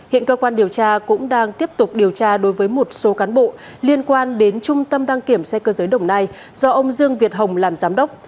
hiện cơ quan điều tra cũng đang tiếp tục điều tra đối với một số cán bộ liên quan đến trung tâm đăng kiểm xe cơ giới đồng nai do ông dương việt hồng làm giám đốc